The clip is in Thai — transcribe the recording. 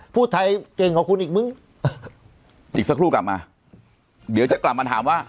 พูดไทยเก่งกว่าคุณอีกมึงอีกสักครู่กลับมาเดี๋ยวจะกลับมาถามว่า